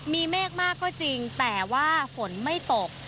มีเมฆมากก็จริงแต่ว่าฝนไม่ตก